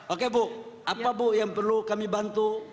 oke bu apa bu yang perlu kami bantu